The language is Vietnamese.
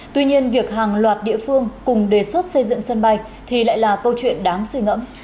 tuy nhiên việc hàng loạt địa phương cùng đề xuất xây dựng sân bay thì lại là câu chuyện đáng suy ngẫm